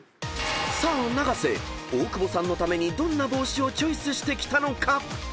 ［さあ永瀬大久保さんのためにどんな帽子をチョイスしてきたのか］